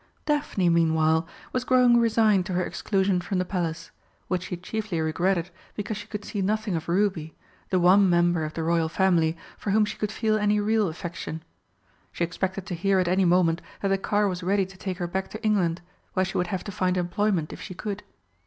Daphne, meanwhile, was growing resigned to her exclusion from the Palace, which she chiefly regretted because she could see nothing of Ruby, the one member of the Royal Family for whom she could feel any real affection. She expected to hear at any moment that the car was ready to take her back to England, where she would have to find employment if she could.